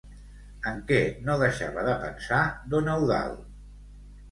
En què no deixava de pensar don Eudald?